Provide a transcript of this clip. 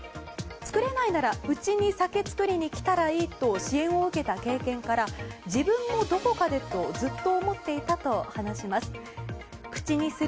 造れないなら、うちに酒造りに来たらいいと支援を受けた経験から自分もどこかでとずっと思っていたと話します。